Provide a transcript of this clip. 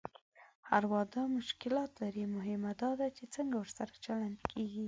هر واده مشکلات لري، مهمه دا ده چې څنګه ورسره چلند کېږي.